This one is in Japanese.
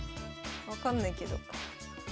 分かんないけど。